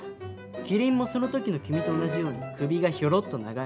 キリンもその時の君と同じように首がヒョロッと長い。